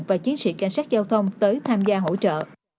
và chiến sĩ cảnh sát giao thông tới tham gia hỗ trợ